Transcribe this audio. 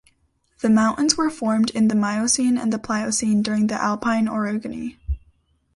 The mountains were formed in the Miocene and the Pliocene during the Alpine orogeny.